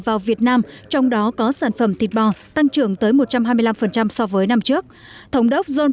vào việt nam trong đó có sản phẩm thịt bò tăng trưởng tới một trăm hai mươi năm so với năm trước thống đốc john